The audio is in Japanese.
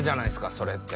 それって。